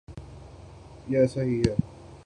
یہ ایسا ہی ہے۔